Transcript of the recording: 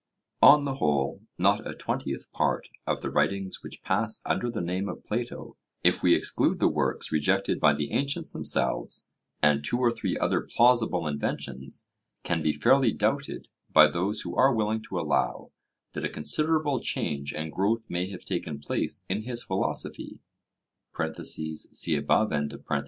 On the whole, not a twentieth part of the writings which pass under the name of Plato, if we exclude the works rejected by the ancients themselves and two or three other plausible inventions, can be fairly doubted by those who are willing to allow that a considerable change and growth may have taken place in his philosophy (see above).